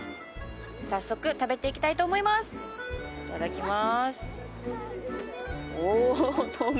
早速食べていきたいと思いますいただきまー